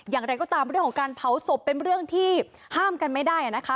อย่างไรก็ตามเรื่องของการเผาศพเป็นเรื่องที่ห้ามกันไม่ได้นะคะ